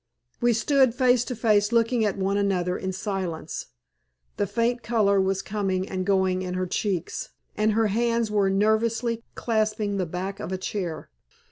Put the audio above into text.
We stood face to face looking at one another in silence. The faint color was coming and going in her cheeks, and her hands were nervously clasping the back of a chair.